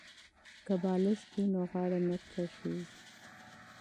که بالښت وي نو غاړه نه کږیږي.